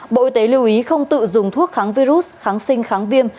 bộ y tế lưu ý không tự dùng thuốc kháng virus kháng sinh kháng viêm